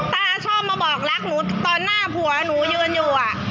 ตาชอบมาบอกรักหนูตอนหน้าผัวหนูยืนอยู่